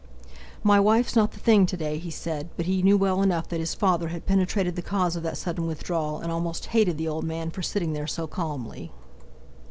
"My wife's not the thing today," he said, but he knew well enough that his father had penetrated the cause of that sudden withdrawal, and almost hated the old man for sitting there so calmly.